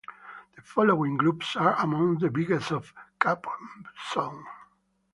The following groups are amongst the biggest on CampZone.